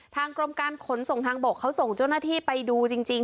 ทางกรมการขนส่งทางบกเขาส่งเจ้าหน้าที่ไปดูจริง